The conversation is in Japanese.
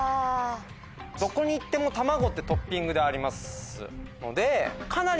どこに行っても卵ってトッピングでありますので。